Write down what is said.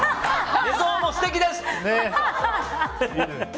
寝相も素敵です！